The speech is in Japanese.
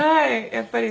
やっぱり。